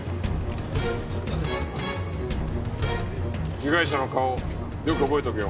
被害者の顔よく覚えておけよ。